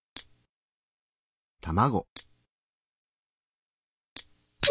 卵。